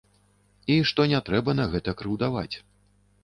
І што не трэба на гэта крыўдаваць.